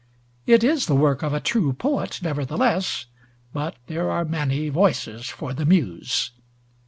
It is the work of a true poet, nevertheless; but there are many voices for the Muse.